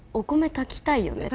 炊きたいよね。